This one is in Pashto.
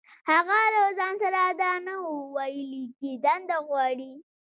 هغه له ځان سره دا نه وو ويلي چې دنده غواړي.